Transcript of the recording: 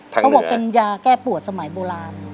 เขาบอกเป็นยาแก้ปวดสมัยโบราณ